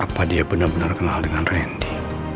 apa dia bener bener kenal dengan randy